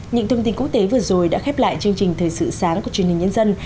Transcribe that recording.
những thông tin quốc tế vừa rồi đã khép lại chương trình thời sự sáng của truyền hình nhân dân